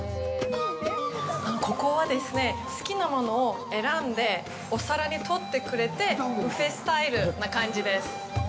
ここはですね、好きなものを選んでお皿に取ってくれてブッフェスタイルな感じです。